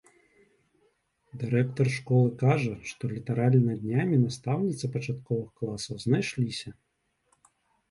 Дырэктар школы кажа, што літаральна днямі настаўніцы пачатковых класаў знайшліся.